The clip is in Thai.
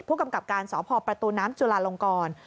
ผู้กำกับการสพประตูน้ำจุลาลงกร